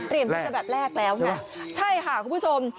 เตรียมแบบแรกแล้วนะใช่ไหมคะใช่ค่ะคุณผู้ชม